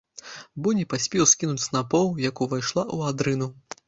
Бо не паспеў скінуць снапоў, як увайшла ў адрыну.